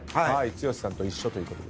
剛さんと一緒ということで。